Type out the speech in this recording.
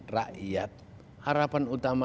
rakyat harapan utama